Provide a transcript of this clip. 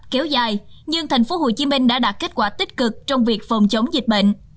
kéo dài nhưng tp hcm đã đạt kết quả tích cực trong việc phòng chống dịch bệnh